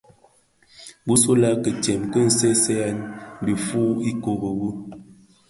Bisulè kitsen ki seeseeyèn dhifuu ikure wu.